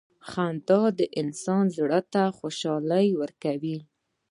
• خندا د انسان زړۀ ته خوشحالي ورکوي.